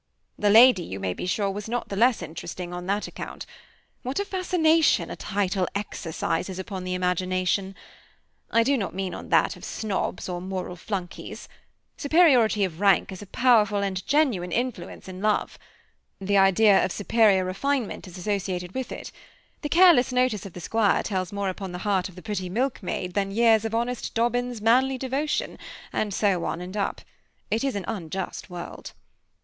The lady, you may be sure, was not the less interesting on that account. What a fascination a title exercises upon the imagination! I do not mean on that of snobs or moral flunkies. Superiority of rank is a powerful and genuine influence in love. The idea of superior refinement is associated with it. The careless notice of the squire tells more upon the heart of the pretty milk maid than years of honest Dobbin's manly devotion, and so on and up. It is an unjust world!